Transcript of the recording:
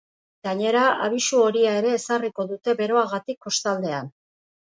Gainera, abisu horia ere ezarriko dute beroagatik kostaldean.